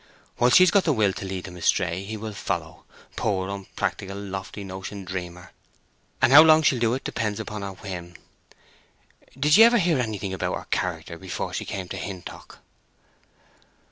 While she's got the will to lead him astray he will follow—poor, unpractical, lofty notioned dreamer—and how long she'll do it depends upon her whim. Did ye ever hear anything about her character before she came to Hintock?"